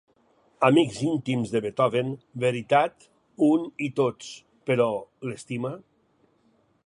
Amics íntims de Beethoven, veritat, un i tots; però l"estima?